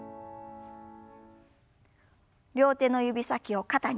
両手の指先を肩に。